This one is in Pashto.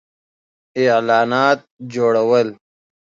-اعلانات جوړو ل